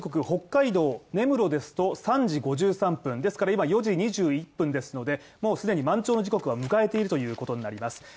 北海道根室ですと３時５３分ですから今４時２１分ですので、もう既に満潮の時刻を迎えているということになります。